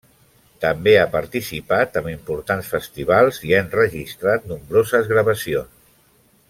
També ha participat amb importants festivals i ha enregistrat nombroses gravacions.